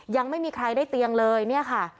ยังไม่มีใครได้เตียงเลยเนี่ยค่ะ